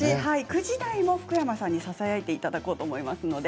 ９時台も福山さんにささやいていただこうと思います。